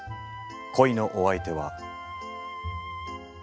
恋のお相手は。